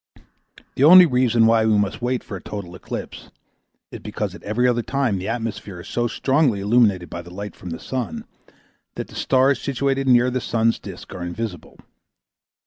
The only reason why we must wait for a total eclipse is because at every other time the atmosphere is so strongly illuminated by the light from the sun that the stars situated near the sun's disc are invisible.